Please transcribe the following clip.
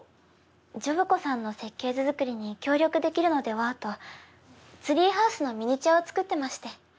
ジョブ子さんの設計図作りに協力できるのではとツリーハウスのミニチュアを作ってまして。